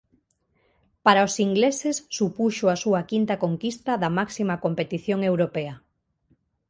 Para os ingleses supuxo a súa quinta conquista da máxima competición europea.